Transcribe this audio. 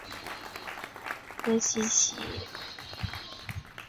科西齐农村居民点是俄罗斯联邦布良斯克州谢夫斯克区所属的一个农村居民点。